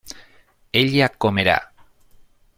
ella comerá